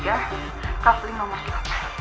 sekarang kamu kesana dan temui nino